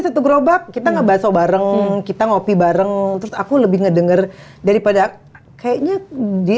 satu gerobak kita ngebaso bareng kita ngopi bareng terus aku lebih ngedengar daripada kayaknya di